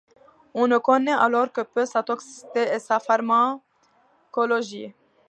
On ne connaît alors que peu sa toxicité et sa pharmacologie.